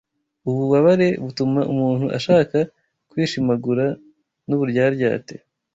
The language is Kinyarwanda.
Ububabare butuma umuntu ashaka kwishimagura n’ uburyaryate